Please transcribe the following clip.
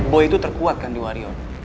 boy itu terkuat kan di wario